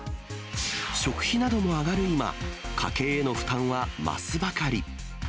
食費なども上がる今、家計への負担は増すばかり。